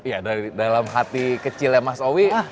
iya dari dalam hati kecilnya mas owi